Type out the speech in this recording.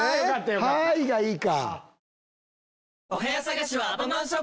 「はい！」がいいか。